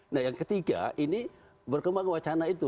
nah yang ketiga ini berkembang wacana itu